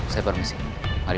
saya permisi mari